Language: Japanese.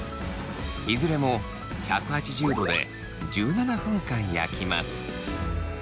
いずれも１８０度で１７分間焼きます。